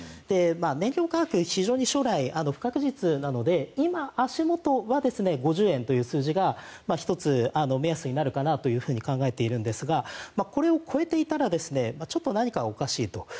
燃料価格、非常に将来が不確実なので今、足元は５０円という数字が１つ、目安になるかなと考えているんですがこれを超えていたらちょっと何かおかしいと。